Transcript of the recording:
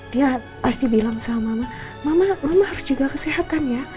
dia pasti bilang sama mama mama harus juga kesehatan ya